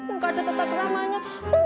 enggak ada tetap namanya